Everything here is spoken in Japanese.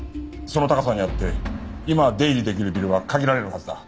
その高さにあって今出入りできるビルは限られるはずだ。